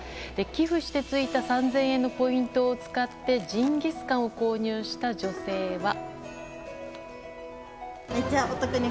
寄付して付いた３０００円のポイントを使ってジンギスカンを購入した女性は。